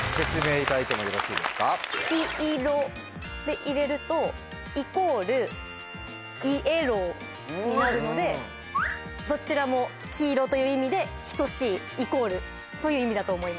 「きいろ」で入れるとイコール「いえろー」になるのでどちらも黄色という意味で等しいイコールという意味だと思います。